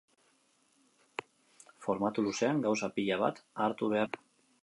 Formatu luzean, gauza pila bat hartu behar dituzu kontuan.